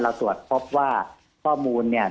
ตรวจพบว่าข้อมูลเนี่ย